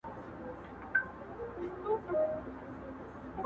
چې څوک څه وایی